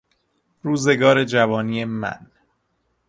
روزگار جوانی من